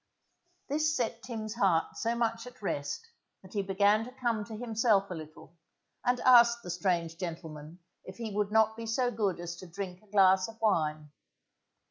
_ This set Tim's heart so much at rest that he began to come to himself a little, and asked the strange gentleman if he would not be so good as to drink a glass of wine.